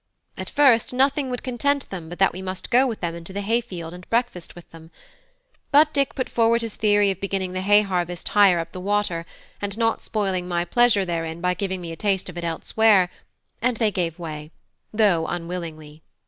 At first nothing would content them but we must go with them into the hay field, and breakfast with them; but Dick put forward his theory of beginning the hay harvest higher up the water, and not spoiling my pleasure therein by giving me a taste of it elsewhere, and they gave way, though unwillingly.